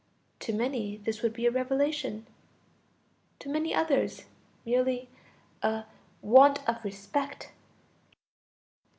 To many this would be a revelation; to many others merely a "want of respect."